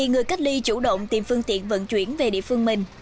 người cách ly chủ động tìm phương tiện vận chuyển về địa phương mình